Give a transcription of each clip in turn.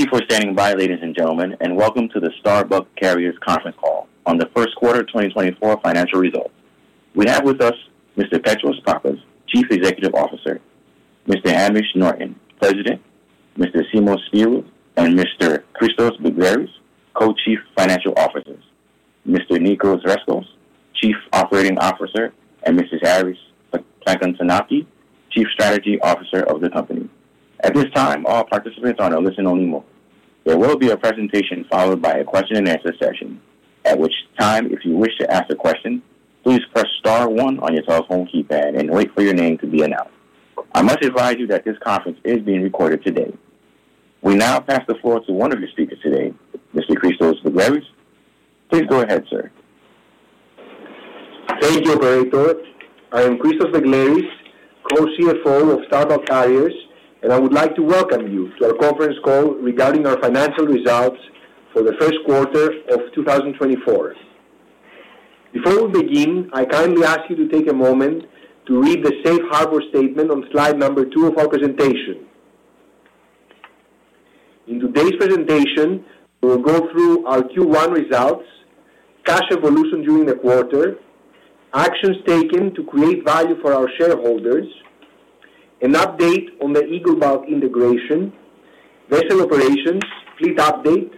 Thank you for standing by, ladies and gentlemen, and welcome to the Star Bulk Carriers conference call on the first quarter of 2024 financial results. We have with us Mr. Petros Pappas, Chief Executive Officer, Mr. Hamish Norton, President, Mr. Simos Spyrou and Mr. Christos Begleris, Co-Chief Financial Officers, Mr. Nicos Rescos, Chief Operating Officer, and Mrs. Charis Plakantonaki, Chief Strategy Officer of the company. At this time, all participants are on a listen-only mode. There will be a presentation followed by a question and answer session, at which time, if you wish to ask a question, please press star one on your telephone keypad and wait for your name to be announced. I must advise you that this conference is being recorded today. We now pass the floor to one of your speakers today, Mr. Christos Begleris. Please go ahead, sir. Thank you, operator. I am Christos Begleris, Co-CFO of Star Bulk Carriers, and I would like to welcome you to our conference call regarding our financial results for the first quarter of 2024. Before we begin, I kindly ask you to take a moment to read the safe harbor statement on slide number 2 of our presentation. In today's presentation, we'll go through our Q1 results, cash evolution during the quarter, actions taken to create value for our shareholders, an update on the Eagle Bulk integration, vessel operations, fleet update,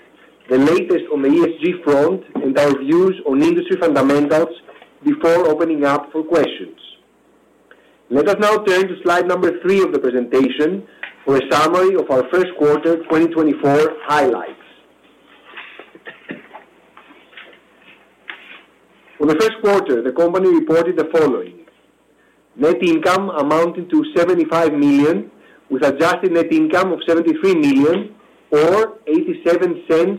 the latest on the ESG front, and our views on industry fundamentals before opening up for questions. Let us now turn to slide number 3 of the presentation for a summary of our first quarter 2024 highlights. For the first quarter, the company reported the following: Net income amounting to $75 million, with adjusted net income of $73 million or $0.87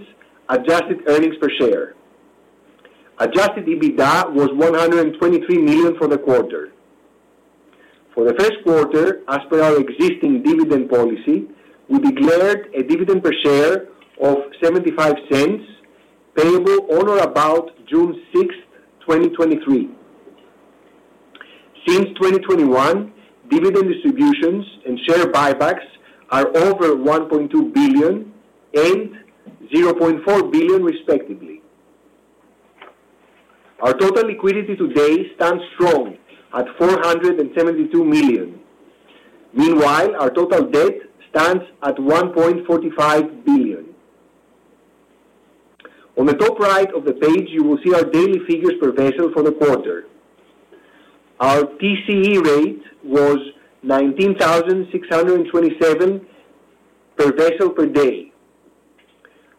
adjusted earnings per share. Adjusted EBITDA was $123 million for the quarter. For the first quarter, as per our existing dividend policy, we declared a dividend per share of $0.75, payable on or about June sixth, 2023. Since 2021, dividend distributions and share buybacks are over $1.2 billion and $0.4 billion, respectively. Our total liquidity today stands strong at $472 million. Meanwhile, our total debt stands at $1.45 billion. On the top right of the page, you will see our daily figures per vessel for the quarter. Our TCE rate was 19,627 per vessel per day.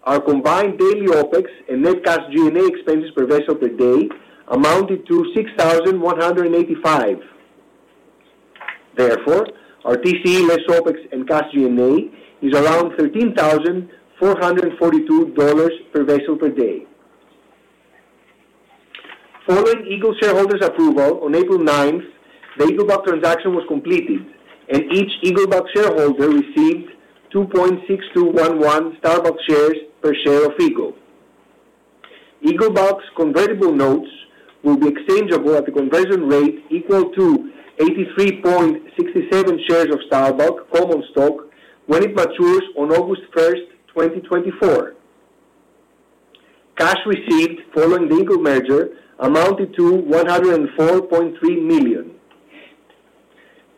Our combined daily OpEx and net cash GNA expenses per vessel per day amounted to $6,185. Therefore, our TCE less OpEx and cash G&A is around $13,442 per vessel per day. Following Eagle shareholders' approval on April 9, the Eagle Bulk transaction was completed, and each Eagle Bulk shareholder received 2.6211 Star Bulk shares per share of Eagle. Eagle Bulk's convertible notes will be exchangeable at the conversion rate equal to 83.67 shares of Star Bulk common stock when it matures on August 1, 2024. Cash received following the Eagle merger amounted to $104.3 million.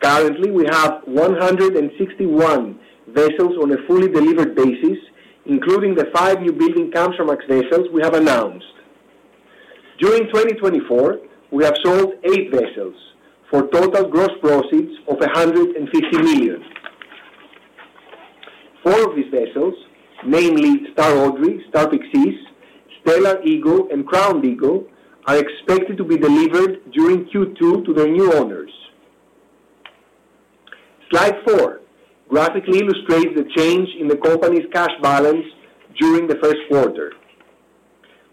Currently, we have 161 vessels on a fully delivered basis, including the 5 newbuilding Kamsarmax vessels we have announced. During 2024, we have sold 8 vessels for total gross proceeds of $150 million. Four of these vessels, namely Star Audrey, Star Pyxis, Stellar Eagle, and Crown Eagle, are expected to be delivered during Q2 to their new owners. Slide 4 graphically illustrates the change in the company's cash balance during the first quarter.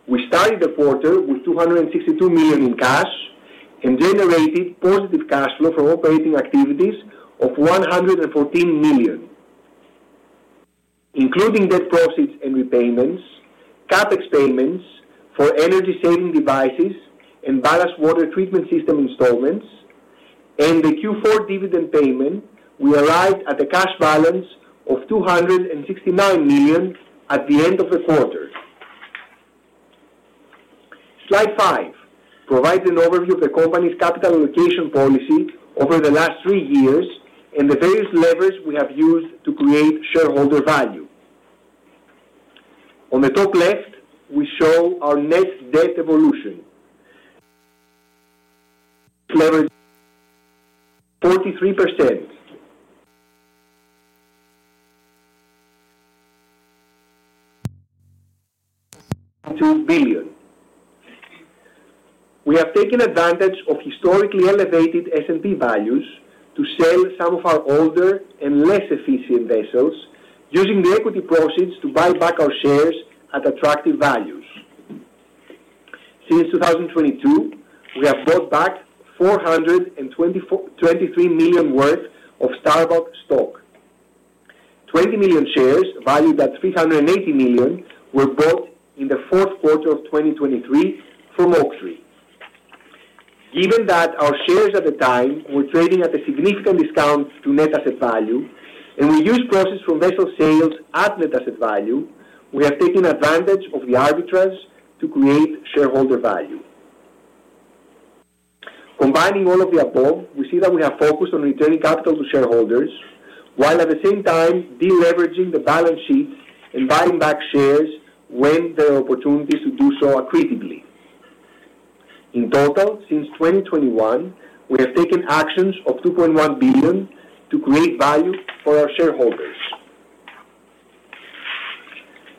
We started the quarter with $262 million in cash and generated positive cash flow from operating activities of $114 million. Including debt proceeds and repayments, CapEx payments for energy-saving devices and ballast water treatment system installments, and the Q4 dividend payment, we arrived at a cash balance of $269 million at the end of the quarter. Slide 5 provides an overview of the company's capital allocation policy over the last 3 years and the various levers we have used to create shareholder value. On the top left, we show our net debt evolution. Leverage 43%. $2 billion. We have taken advantage of historically elevated S&P values to sell some of our older and less efficient vessels, using the equity proceeds to buy back our shares at attractive values. Since 2022, we have bought back $423 million worth of Star Bulk stock. 20 million shares, valued at $380 million, were bought in the fourth quarter of 2023 from Oaktree. Given that our shares at the time were trading at a significant discount to net asset value, and we used proceeds from vessel sales at net asset value, we have taken advantage of the arbitrage to create shareholder value. Combining all of the above, we see that we have focused on returning capital to shareholders, while at the same time de-leveraging the balance sheet and buying back shares when there are opportunities to do so accretively. In total, since 2021, we have taken actions of $2.1 billion to create value for our shareholders.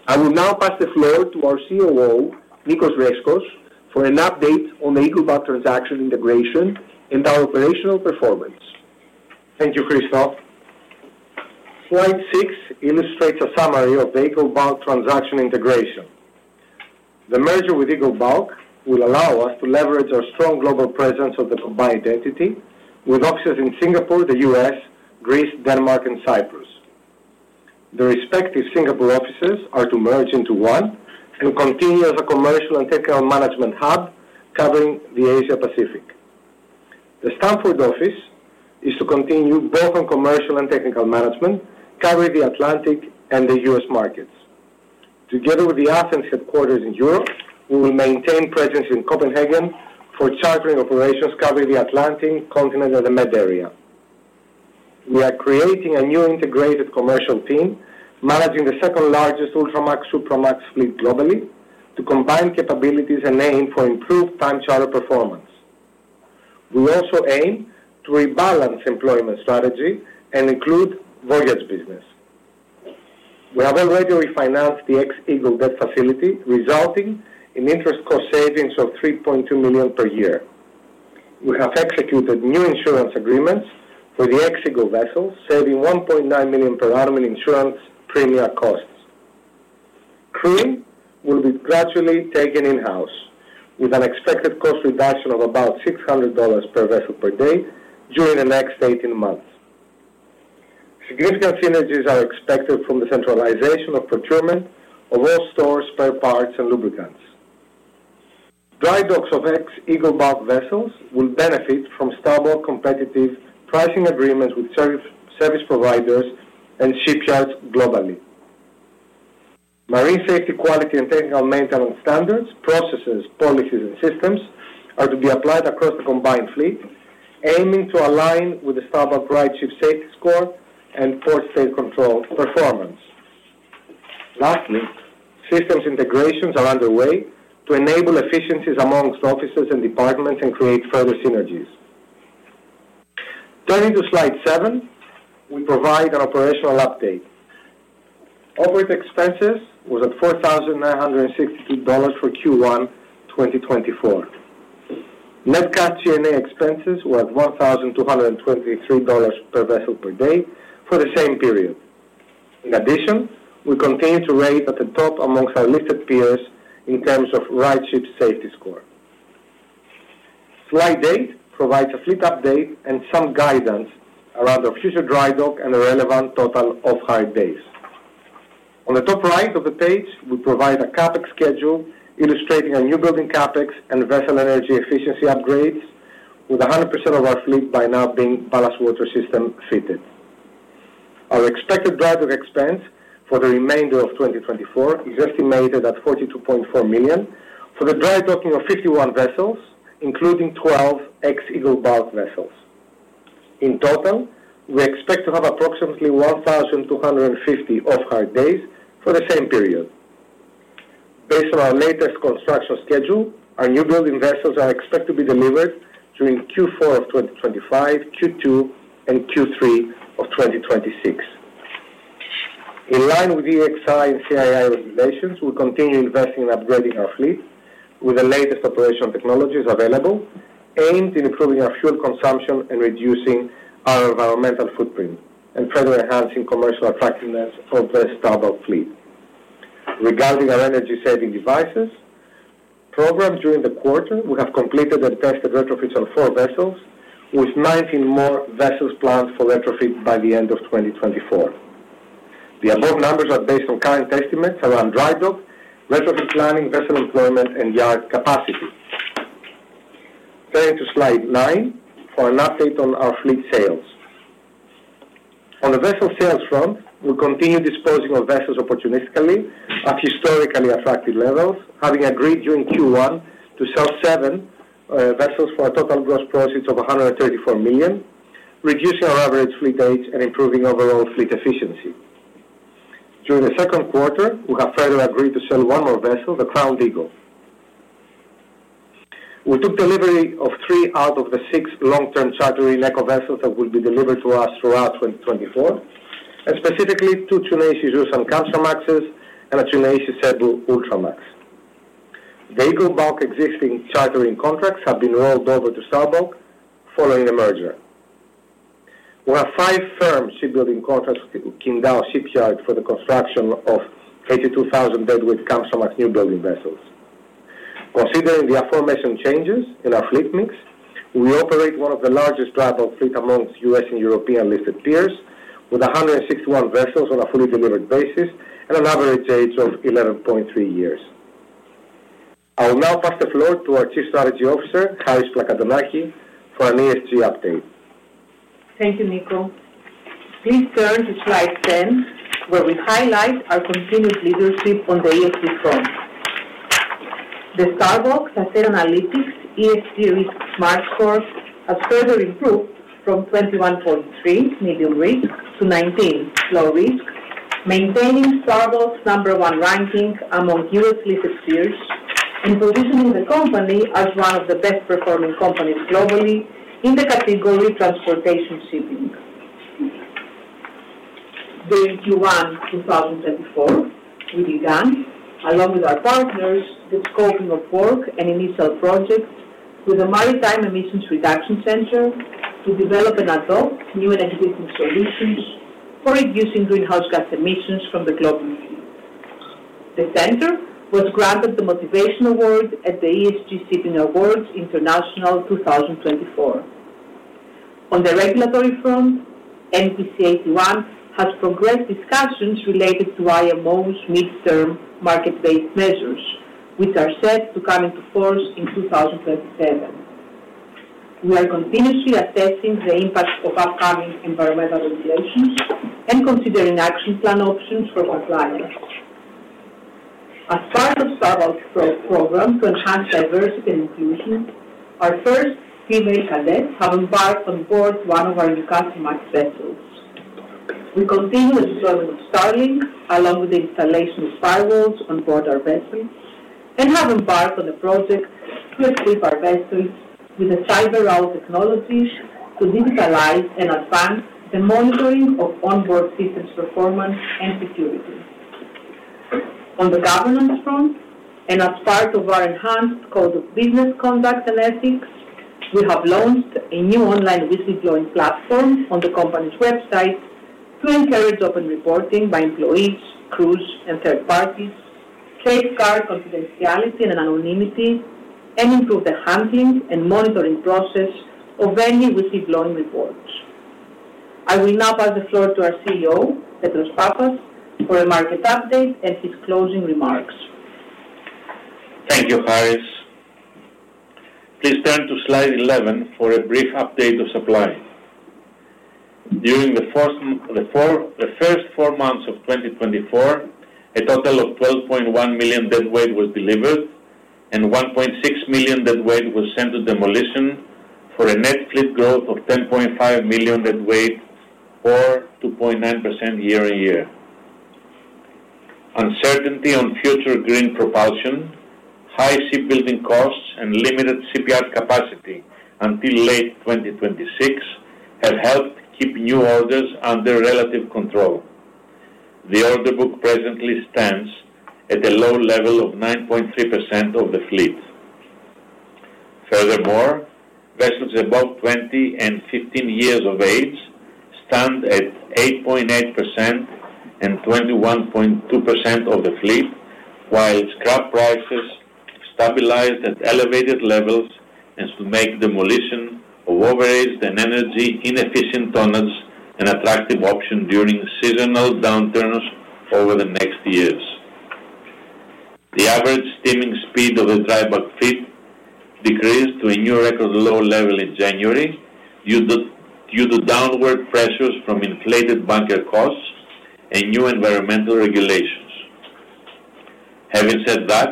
I will now pass the floor to our Chief Operating Officer, Nicos Rescos, for an update on the Eagle Bulk transaction integration and our operational performance. Thank you, Christos. Slide 6 illustrates a summary of the Eagle Bulk transaction integration. The merger with Eagle Bulk will allow us to leverage our strong global presence of the combined entity, with offices in Singapore, the US, Greece, Denmark and Cyprus. The respective Singapore offices are to merge into one and continue as a commercial and technical management hub covering the Asia Pacific. The Stamford office is to continue both on commercial and technical management, covering the Atlantic and the U.S. markets. Together with the Athens headquarters in Europe, we will maintain presence in Copenhagen for chartering operations covering the Atlantic continent and the Med area. We are creating a new integrated commercial team, managing the second-largest Ultramax/Supramax fleet globally, to combine capabilities and aim for improved time charter performance. We also aim to rebalance employment strategy and include voyage business. We have already refinanced the ex-Eagle debt facility, resulting in interest cost savings of $3.2 million per year. We have executed new insurance agreements for the ex-Eagle vessels, saving $1.9 million per annum in insurance premium costs. Crew will be gradually taken in-house, with an expected cost reduction of about $600 per vessel per day during the next 18 months. Significant synergies are expected from the centralization of procurement of all stores, spare parts and lubricants. Dry docks of ex-Eagle Bulk vessels will benefit from Star Bulk competitive pricing agreements with service providers and shipyards globally. Marine safety, quality, and technical maintenance standards, processes, policies, and systems are to be applied across the combined fleet, aiming to align with the Star Bulk RightShip Safety Score and Port State Control performance. Lastly, systems integrations are underway to enable efficiencies among offices and departments and create further synergies. Turning to slide seven, we provide an operational update. OpEx was at $4,962 for Q1 2024. Net cash G&A expenses were at $1,223 per vessel per day for the same period. In addition, we continue to rate at the top among our listed peers in terms of RightShip Safety Score. Slide eight provides a fleet update and some guidance around our future dry dock and the relevant total off-hire days. On the top right of the page, we provide a CapEx schedule illustrating our newbuilding CapEx and vessel energy efficiency upgrades, with 100% of our fleet by now being ballast water system fitted. Our expected dry dock expense for the remainder of 2024 is estimated at $42.4 million for the dry docking of 51 vessels, including 12 ex-Eagle Bulk vessels. In total, we expect to have approximately 1,250 off-hire days for the same period. Based on our latest construction schedule, our newbuilding vessels are expected to be delivered during Q4 of 2025, Q2 and Q3 of 2026. In line with EEXI and CII regulations, we continue investing in upgrading our fleet with the latest operational technologies available, aimed in improving our fuel consumption and reducing our environmental footprint, and further enhancing commercial attractiveness of the Star Bulk fleet. Regarding our energy-saving devices, programs during the quarter, we have completed and tested retrofits on 4 vessels, with 19 more vessels planned for retrofit by the end of 2024. The above numbers are based on current estimates around dry dock, retrofit planning, vessel employment, and yard capacity. Turning to slide 9 for an update on our fleet sales. On the vessel sales front, we continue disposing of vessels opportunistically at historically attractive levels, having agreed during Q1 to sell seven vessels for a total gross proceeds of $134 million, reducing our average fleet age and improving overall fleet efficiency. During the second quarter, we have further agreed to sell one more vessel, the Crown Eagle. We took delivery of three out of the six long-term chartering Eco vessels that will be delivered to us throughout 2024, and specifically two Tsuneishi Kamsarmaxes and a Tsuneishi Ultramax. The Eagle Bulk existing chartering contracts have been rolled over to Star Bulk following the merger. We have 5 firm shipbuilding contracts with Qingdao Shipyard for the construction of 82,000 deadweight Kamsarmax newbuilding vessels. Considering the aforementioned changes in our fleet mix, we operate one of the largest product fleet amongst U.S. and European-listed peers.... with 161 vessels on a fully delivered basis and an average age of 11.3 years. I will now pass the floor to our Chief Strategy Officer, Charis Plakantonaki, for an ESG update. Thank you, Nicos. Please turn to slide 10, where we highlight our continued leadership on the ESG front. The Star Bulk's Asset Analytics ESG Risk Smart Score has further improved from 21.3, medium risk, to 19, low risk, maintaining Star Bulk's number one ranking among U.S. listed peers and positioning the company as one of the best performing companies globally in the category Transportation Shipping. During Q1 2024, we began, along with our partners, the scoping of work and initial projects with the Maritime Emissions Reduction Center to develop and adopt new and existing solutions for reducing greenhouse gas emissions from the global fleet. The center was granted the Motivation Award at the ESG Shipping Awards International 2024. On the regulatory front, MEPC 81 has progressed discussions related to IMO's midterm market-based measures, which are set to come into force in 2027. We are continuously assessing the impact of upcoming environmental regulations and considering action plan options for our clients. As part of Star Bulk's growth program to enhance diversity and inclusion, our first female cadets have embarked on board one of our new customer vessels. We continue the deployment of Starlink, along with the installation of firewalls on board our vessels, and have embarked on a project to equip our vessels with the CyberOwl technologies to digitalize and advance the monitoring of onboard systems performance and security. On the governance front, and as part of our enhanced Code of Business Conduct and Ethics, we have launched a new online whistleblowing platform on the company's website to encourage open reporting by employees, crews, and third parties, safeguard confidentiality and anonymity, and improve the handling and monitoring process of any whistleblowing reports. I will now pass the floor to our Chief Executive Officer, Petros Pappas, for a market update and his closing remarks. Thank you, Charis. Please turn to slide 11 for a brief update of supply. During the first four months of 2024, a total of 12.1 million deadweight was delivered, and 1.6 million deadweight was sent to demolition, for a net fleet growth of 10.5 million deadweight or 2.9% year-on-year. Uncertainty on future green propulsion, high shipbuilding costs, and limited CPR capacity until late 2026 have helped keep new orders under relative control. The order book presently stands at a low level of 9.3% of the fleet. Furthermore, vessels above 20 and 15 years of age stand at 8.8% and 21.2% of the fleet, while scrap prices stabilized at elevated levels as to make demolition of overaged and energy-inefficient tonnage an attractive option during seasonal downturns over the next years. The average steaming speed of the dry bulk fleet decreased to a new record low level in January, due to downward pressures from inflated bunker costs and new environmental regulations. Having said that,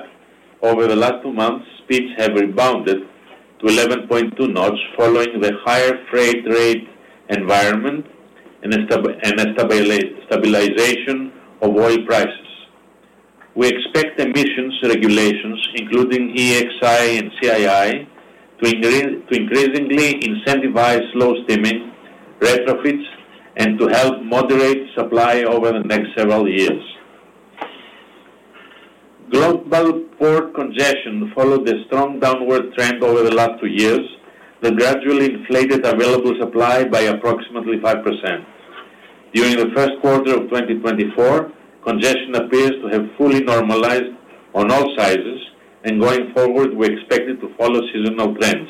over the last two months, speeds have rebounded to 11.2 knots following the higher freight rate environment and a stabilization of oil prices. We expect emissions regulations, including EEXI and CII, to increasingly incentivize slow steaming retrofits and to help moderate supply over the next several years. Global port congestion followed a strong downward trend over the last two years that gradually inflated available supply by approximately 5%. During the first quarter of 2024, congestion appears to have fully normalized on all sizes, and going forward, we expect it to follow seasonal trends.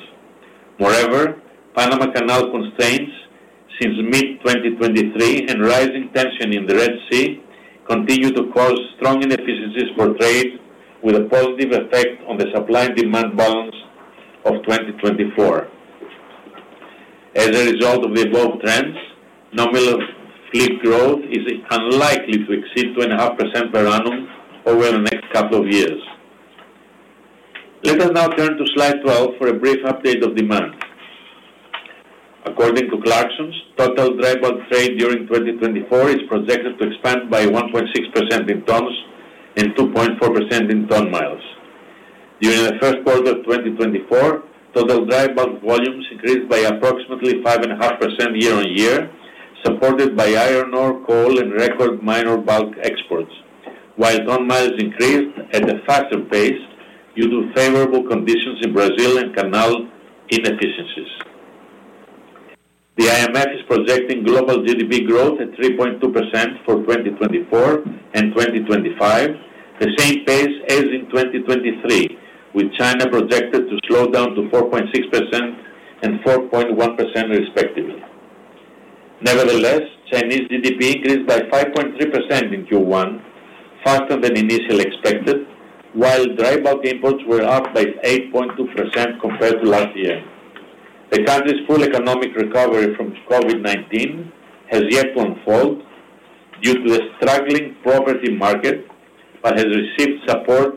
Moreover, Panama Canal constraints since mid-2023 and rising tension in the Red Sea continue to cause strong inefficiencies for trade, with a positive effect on the supply and demand balance of 2024. As a result of the above trends, nominal fleet growth is unlikely to exceed 2.5% per annum over the next couple of years. Let us now turn to slide 12 for a brief update of demand. According to Clarksons, total dry bulk trade during 2024 is projected to expand by 1.6% in tons and 2.4% in ton miles. During the first quarter of 2024, total dry bulk volumes increased by approximately 5.5% year-on-year, supported by iron ore, coal, and record minor bulk exports, while ton miles increased at a faster pace due to favorable conditions in Brazil and canal inefficiencies. The IMF is projecting global GDP growth at 3.2% for 2024 and 2025, the same pace as in 2023. With China projected to slow down to 4.6% and 4.1% respectively. Nevertheless, Chinese GDP increased by 5.3% in Q1, faster than initially expected, while dry bulk imports were up by 8.2% compared to last year. The country's full economic recovery from COVID-19 has yet to unfold due to a struggling property market, but has received support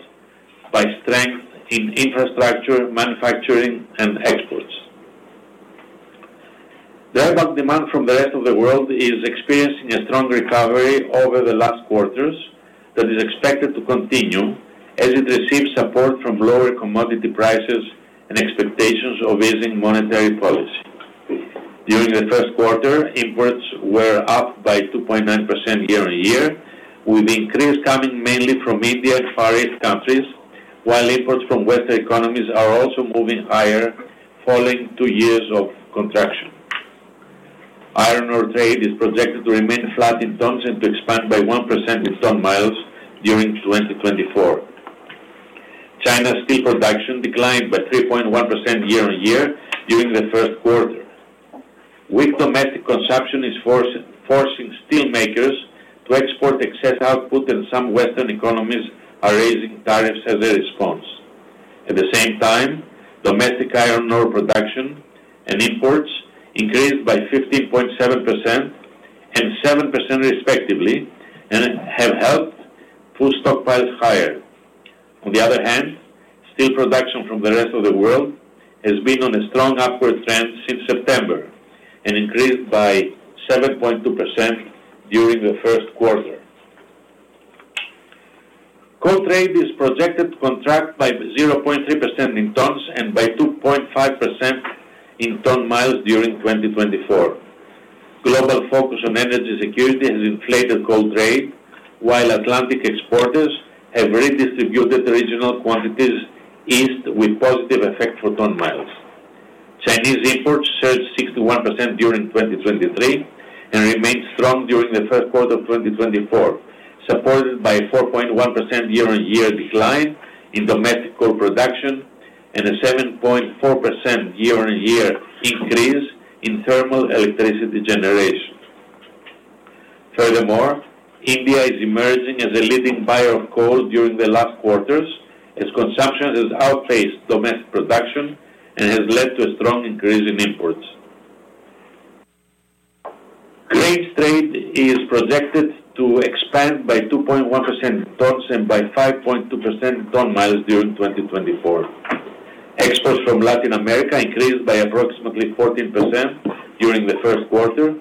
by strength in infrastructure, manufacturing, and exports. The dry bulk demand from the rest of the world is experiencing a strong recovery over the last quarters, that is expected to continue as it receives support from lower commodity prices and expectations of easing monetary policy. During the first quarter, imports were up by 2.9% year-on-year, with the increase coming mainly from India and Far East countries, while imports from Western economies are also moving higher, following 2 years of contraction. Iron ore trade is projected to remain flat in tons and to expand by 1% in ton miles during 2024. China's steel production declined by 3.1% year-on-year during the first quarter. Weak domestic consumption is forcing steelmakers to export excess output, and some Western economies are raising tariffs as a response. At the same time, domestic iron ore production and imports increased by 15.7% and 7% respectively, and have helped push stockpiles higher. On the other hand, steel production from the rest of the world has been on a strong upward trend since September and increased by 7.2% during the first quarter. Coal trade is projected to contract by 0.3% in tons and by 2.5% in ton miles during 2024. Global focus on energy security has inflated coal trade, while Atlantic exporters have redistributed regional quantities east, with positive effect for ton miles. Chinese imports surged 61% during 2023 and remained strong during the first quarter of 2024, supported by a 4.1% year-on-year decline in domestic coal production and a 7.4% year-on-year increase in thermal electricity generation. Furthermore, India is emerging as a leading buyer of coal during the last quarters, as consumption has outpaced domestic production and has led to a strong increase in imports. Grains trade is projected to expand by 2.1% in tons and by 5.2% in ton miles during 2024. Exports from Latin America increased by approximately 14% during the first quarter,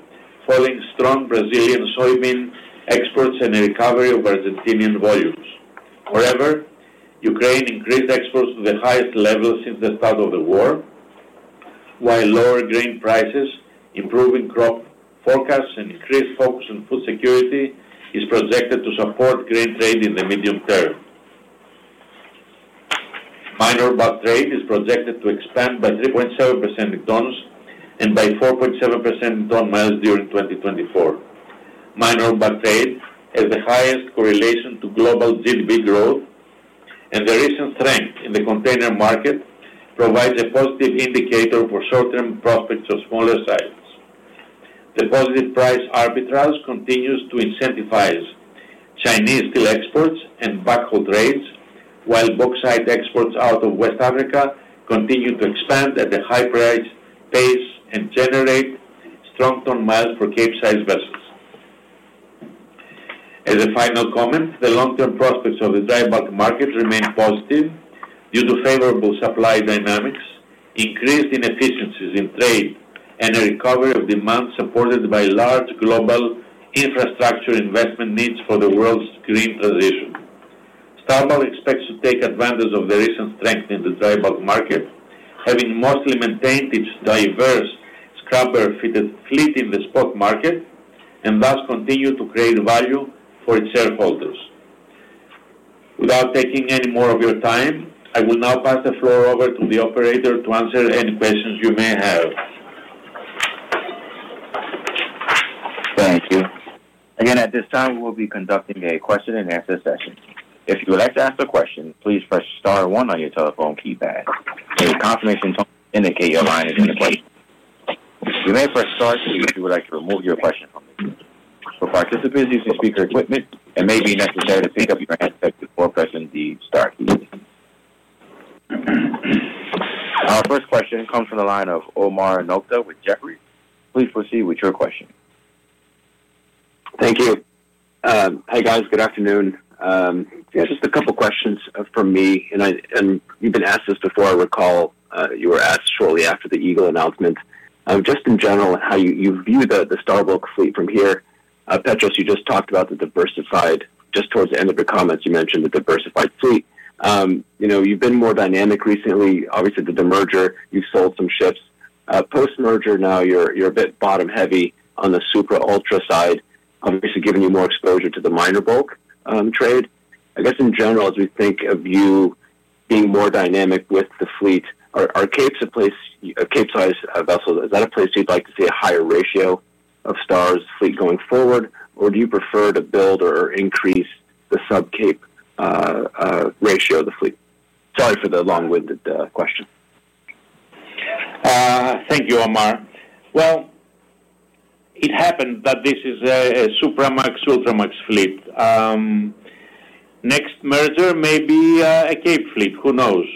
following strong Brazilian soybean exports and a recovery of Argentinian volumes. Moreover, Ukraine increased exports to the highest level since the start of the war, while lower grain prices, improving crop forecasts, and increased focus on food security is projected to support grain trade in the medium term. Minor bulk trade is projected to expand by 3.7% in tons and by 4.7% in ton miles during 2024. Minor bulk trade has the highest correlation to global GDP growth, and the recent strength in the container market provides a positive indicator for short-term prospects of smaller sizes. The positive price arbitrage continues to incentivize Chinese steel exports and bulk hold rates, while bauxite exports out of West Africa continue to expand at a high price, pace, and generate strong ton miles for Capesize vessels. As a final comment, the long-term prospects of the dry bulk market remain positive due to favorable supply dynamics, increased inefficiencies in trade, and a recovery of demand supported by large global infrastructure investment needs for the world's green transition. Star Bulk expects to take advantage of the recent strength in the dry bulk market, having mostly maintained its diverse scrubber-fitted fleet in the spot market, and thus continue to create value for its shareholders. Without taking any more of your time, I will now pass the floor over to the operator to answer any questions you may have. Thank you. Again, at this time, we'll be conducting a question-and-answer session. If you would like to ask a question, please press star one on your telephone keypad. A confirmation tone will indicate your line is in the queue. You may press star two if you would like to remove your question from the queue. For participants using speaker equipment, it may be necessary to pick up your handset before pressing the star key. Our first question comes from the line of Omar Nokta with Jefferies. Please proceed with your question. Thank you. Hi, guys. Good afternoon. Yeah, just a couple questions from me, and I... And you've been asked this before. I recall, you were asked shortly after the Eagle announcement. Just in general, how you, you view the, the Star Bulk fleet from here. Petros, you just talked about the diversified, just towards the end of your comments, you mentioned the diversified fleet. You know, you've been more dynamic recently. Obviously, with the merger, you've sold some ships. Post-merger, now you're, you're a bit bottom-heavy on the Supramax, Ultramax side, obviously giving you more exposure to the minor bulk trade. I guess in general, as we think of you being more dynamic with the fleet, are, are Capesize a place, a Capesize vessel, is that a place you'd like to see a higher ratio?... of Star's fleet going forward, or do you prefer to build or increase the sub-Cape ratio of the fleet? Sorry for the long-winded question. Thank you, Omar. Well, it happened that this is a Supramax, Ultramax fleet. Next merger may be a Cape fleet. Who knows?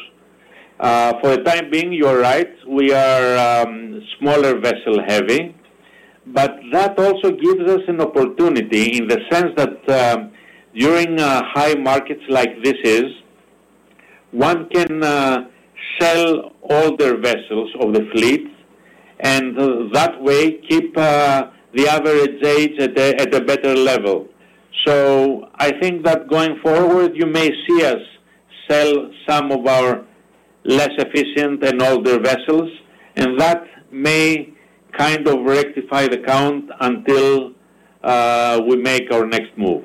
For the time being, you're right, we are smaller vessel-heavy. But that also gives us an opportunity in the sense that, during high markets like this, one can sell all their vessels of the fleet, and that way, keep the average age at a better level. So I think that going forward, you may see us sell some of our less efficient and older vessels, and that may kind of rectify the count until we make our next move.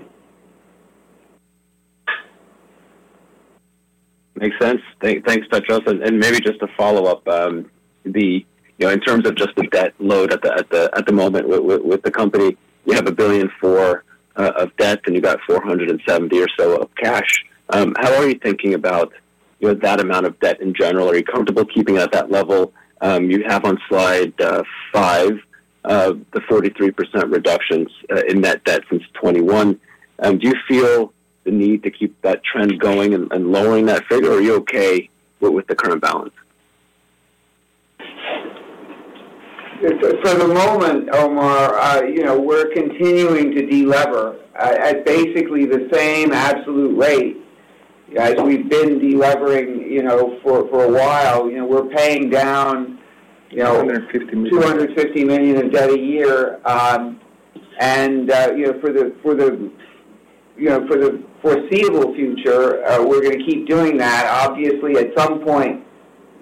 Makes sense. Thanks, Petros. And maybe just a follow-up. You know, in terms of just the debt load at the moment with the company, you have $1 billion of debt, and you've got $470 million or so of cash. How are you thinking about, you know, that amount of debt in general? Are you comfortable keeping it at that level? You have on slide 5 the 43% reductions in net debt since 2021. Do you feel the need to keep that trend going and lowering that figure, or are you okay with the current balance? For the moment, Omar, you know, we're continuing to delever at basically the same absolute rate as we've been delevering, you know, for a while. You know, we're paying down, you know- $250 million. $250 million in debt a year. And, you know, for the foreseeable future, we're going to keep doing that. Obviously, at some point,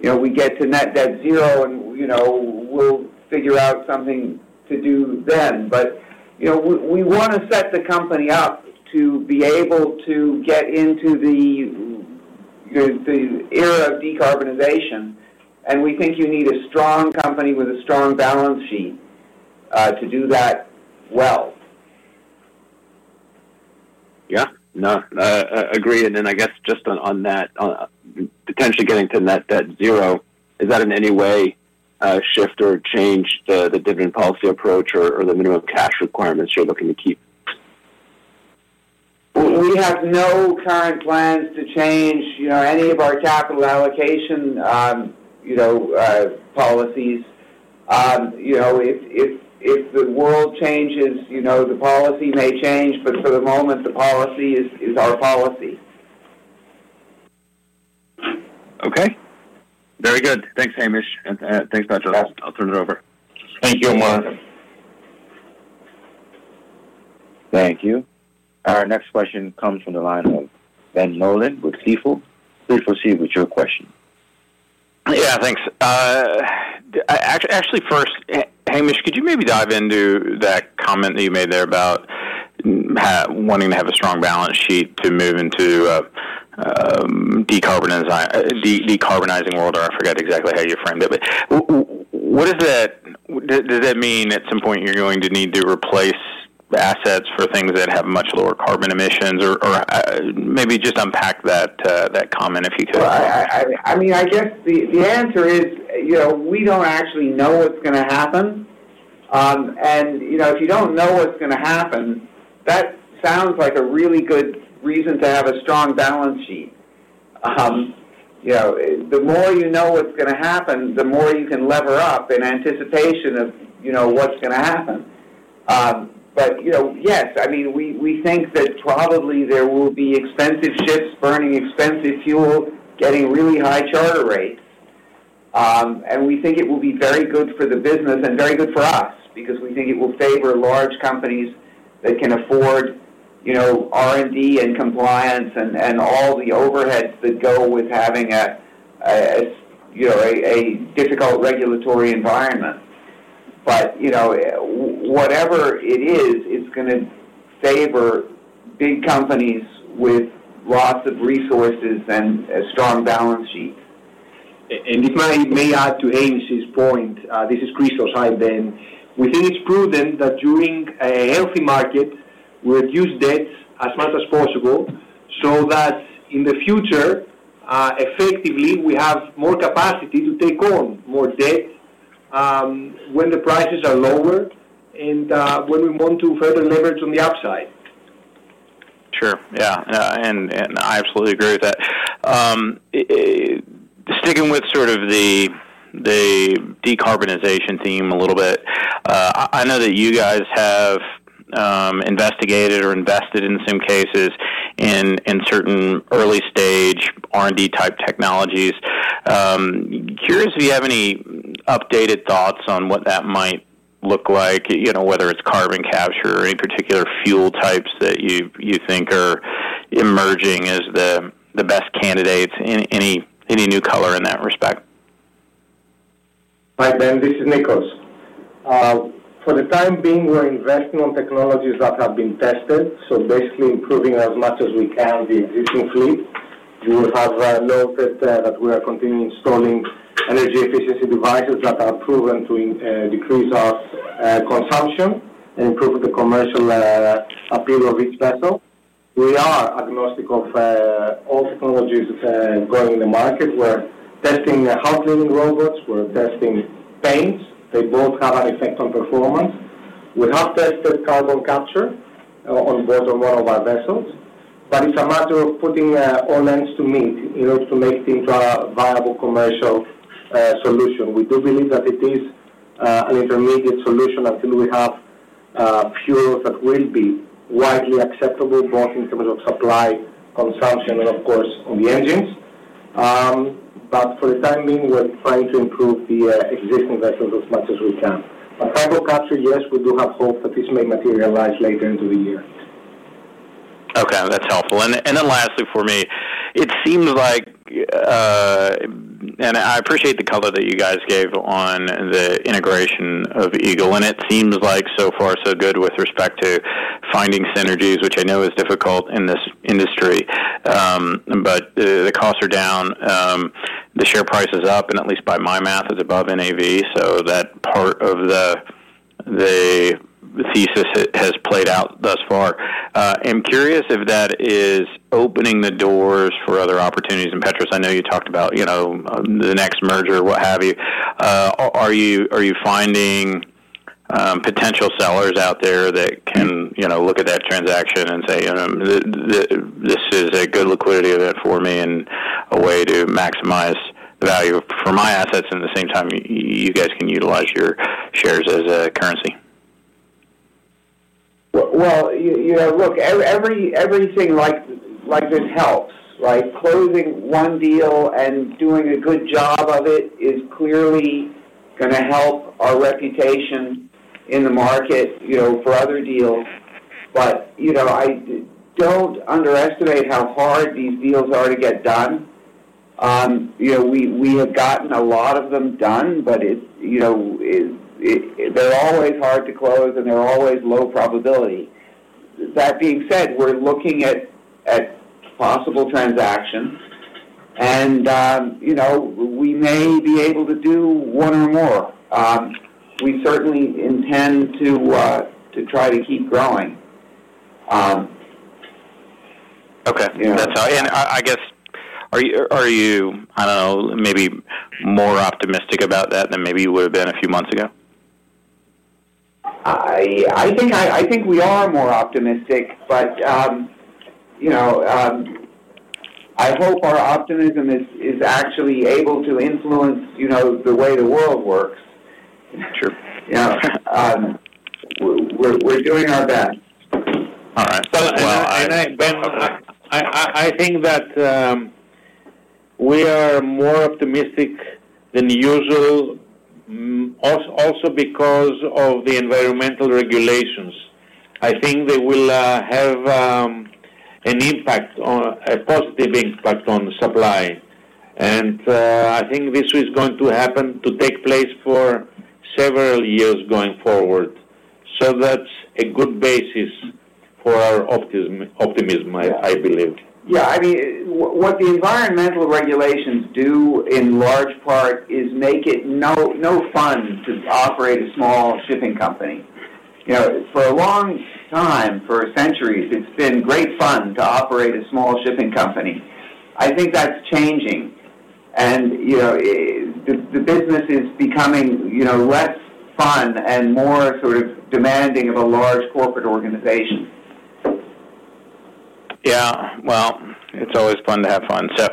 you know, we get to net debt zero, and, you know, we'll figure out something to do then. But, you know, we want to set the company up to be able to get into the era of decarbonization, and we think you need a strong company with a strong balance sheet to do that well. Yeah. No, agreed, and then I guess just on that, potentially getting to net debt zero, is that in any way shift or change the dividend policy approach or the minimum cash requirements you're looking to keep? We have no current plans to change, you know, any of our capital allocation, you know, policies. You know, if the world changes, you know, the policy may change, but for the moment, the policy is our policy. Okay. Very good. Thanks, Hamish, and thanks, Petros. I'll turn it over. Thank you, Omar. Thank you. Our next question comes from the line of Ben Nolan with Stifel. Please proceed with your question. Yeah, thanks. Actually, first, Hamish, could you maybe dive into that comment that you made there about wanting to have a strong balance sheet to move into decarbonizing world? I forget exactly how you framed it, but what does that... Does that mean at some point you're going to need to replace assets for things that have much lower carbon emissions? Or, or, maybe just unpack that comment, if you could. Well, I mean, I guess the answer is, you know, we don't actually know what's going to happen. And, you know, if you don't know what's going to happen, that sounds like a really good reason to have a strong balance sheet. You know, the more you know what's going to happen, the more you can lever up in anticipation of, you know, what's going to happen. But, you know, yes, I mean, we think that probably there will be expensive ships burning expensive fuel, getting really high charter rates. And we think it will be very good for the business and very good for us because we think it will favor large companies that can afford, you know, R&D and compliance and all the overheads that go with having a difficult regulatory environment. You know, whatever it is, it's going to favor big companies with lots of resources and a strong balance sheet. If I may add to Hamish's point, this is Christos, hi, Ben. We think it's prudent that during a healthy market, we reduce debts as much as possible so that in the future, effectively, we have more capacity to take on more debt, when the prices are lower and when we want to further leverage on the upside. Sure. Yeah, and I absolutely agree with that. Sticking with sort of the decarbonization theme a little bit, I know that you guys have investigated or invested in some cases in certain early-stage R&D-type technologies. Curious if you have any updated thoughts on what that might look like, you know, whether it's carbon capture or any particular fuel types that you think are emerging as the best candidates. Any new color in that respect? Hi, Ben, this is Nicos. For the time being, we're investing on technologies that have been tested, so basically improving as much as we can the existing fleet.... You will have noted that we are continuing installing energy efficiency devices that are proven to decrease our consumption and improve the commercial appeal of each vessel. We are agnostic of all technologies going in the market. We're testing the hull cleaning robots, we're testing paints. They both have an effect on performance. We have tested carbon capture on board on one of our vessels, but it's a matter of putting all ends to meet in order to make things a viable commercial solution. We do believe that it is an intermediate solution until we have fuels that will be widely acceptable, both in terms of supply, consumption, and of course, on the engines. But for the time being, we're trying to improve the existing vessels as much as we can. But carbon capture, yes, we do have hope that this may materialize later into the year. Okay, that's helpful. And then lastly, for me, it seems like, and I appreciate the color that you guys gave on the integration of Eagle, and it seems like so far so good with respect to finding synergies, which I know is difficult in this industry. But the costs are down, the share price is up, and at least by my math, is above NAV, so that part of the thesis has played out thus far. I'm curious if that is opening the doors for other opportunities. And Petros, I know you talked about, you know, the next merger, what have you. Are you finding potential sellers out there that can, you know, look at that transaction and say, "This is a good liquidity event for me and a way to maximize value for my assets, and at the same time, you guys can utilize your shares as a currency? Well, you know, look, everything like this helps, right? Closing one deal and doing a good job of it is clearly gonna help our reputation in the market, you know, for other deals. But, you know, I don't underestimate how hard these deals are to get done. You know, we have gotten a lot of them done, but it's, you know, they're always hard to close, and they're always low probability. That being said, we're looking at possible transactions, and you know, we may be able to do one or more. We certainly intend to try to keep growing. Okay. Yeah. That's how... And I guess, are you, I don't know, maybe more optimistic about that than maybe you would have been a few months ago? I think we are more optimistic, but you know, I hope our optimism is actually able to influence, you know, the way the world works. Sure. You know, we're, we're doing our best. All right. Well, Ben, I think that we are more optimistic than usual, also because of the environmental regulations. I think they will have an impact on... a positive impact on supply. And I think this is going to happen to take place for several years going forward. So that's a good basis for our optimism, I believe. Yeah. I mean, what the environmental regulations do in large part is make it no fun to operate a small shipping company. You know, for a long time, for centuries, it's been great fun to operate a small shipping company. I think that's changing. And, you know, the business is becoming, you know, less fun and more sort of demanding of a large corporate organization. Yeah, well, it's always fun to have fun, so-